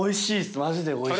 マジでおいしいっす。